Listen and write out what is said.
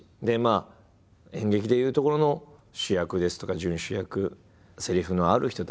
演劇でいうところの主役ですとか準主役せりふのある人たち。